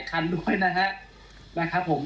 ใครจะต้องรับโทษ